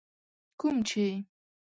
کوم چي